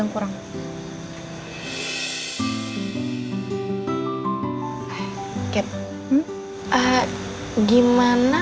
mau yang mana